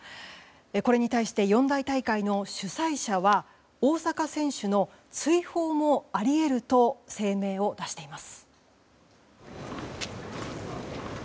これに対して四大大会の主催者は大坂選手の追放もあり得ると声明を出しています。